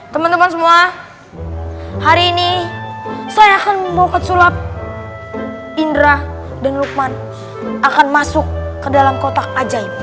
teman teman semua hari ini saya akan membawa pesulap indra dan lukman akan masuk ke dalam kotak ajaib